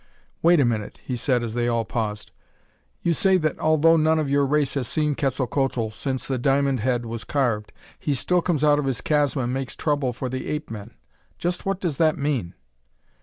"Wait a minute," he said as they all paused. "You say that, although none of your race has seen Quetzalcoatl since the diamond head was carved, he still comes out of his chasm and makes trouble for the ape men. Just what does that mean?"